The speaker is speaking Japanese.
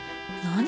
何？